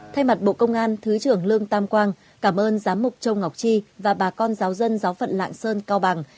thay mặt bộ công an thứ trưởng lương tam quang cảm ơn giám mục châu ngọc tri và bà con giáo dân giáo phận lạng sơn cao bằng